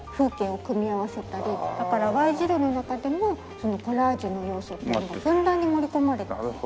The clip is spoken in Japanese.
だから『Ｙ字路』の中でもコラージュの要素っていうのがふんだんに盛り込まれています。